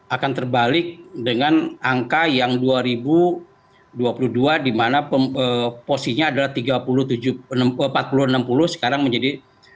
akan terbalik dengan angka yang dua ribu dua puluh dua di mana posisinya adalah empat puluh enam puluh sekarang menjadi